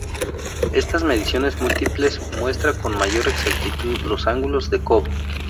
Esta mediciones múltiples muestra con mayor exactitud los ángulos de Cobb.